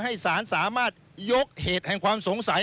ให้สารสามารถยกเหตุแห่งความสงสัย